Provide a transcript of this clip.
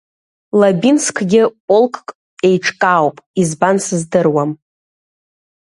Лабинскгьы полкк еиҿкаауп, избан сыздыруам.